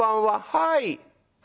はい！